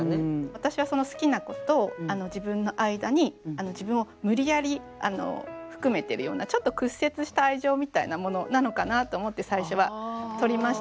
私はその好きな子と自分の間に自分を無理やり含めてるようなちょっと屈折した愛情みたいなものなのかなと思って最初はとりました。